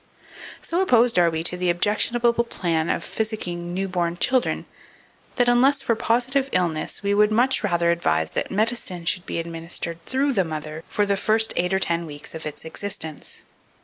2481. So opposed are we to the objectionable plan of physicking new born children, that, unless for positive illness, we would much rather advise that medicine should be administered through the mother for the first eight or ten weeks of its existence.